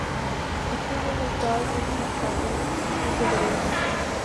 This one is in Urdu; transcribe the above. اتنی ہی مقدار میں پہنچ پاتی ہے جتنی کہ ضرورت ہو